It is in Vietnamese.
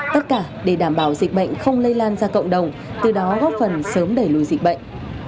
tất cả để đảm bảo dịch bệnh không lây lan ra cộng đồng từ đó góp phần sớm đẩy lùi dịch bệnh